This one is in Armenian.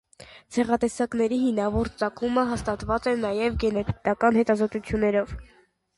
Ցեղատեսակի հինավուրց ծագումը հաստատված է նաև գենետիկական հետազոտություններով։